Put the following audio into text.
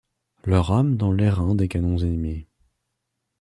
Leur âme dans l'airain des canons ennemis.